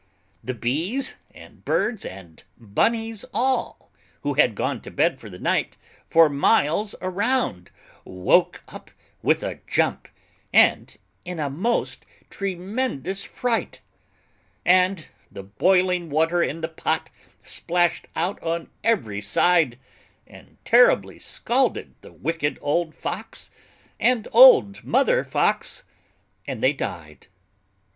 The bees and birds and bunnies all, Who had gone to bed for the night, For miles around, woke up with a jump In a most tremendous fright. And the boiling water in the pot Splashed out on every side, And terribly scalded the Wicked Old Fox, And Old Mother Fox, and they died.